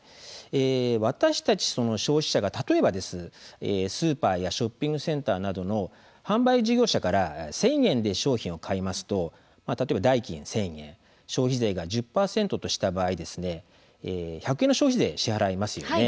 私たち消費者が例えばスーパーやショッピングセンターなどの販売事業者から１０００円で商品を買いますと代金１０００円、消費税が１０％とした場合１００円の消費税を支払います。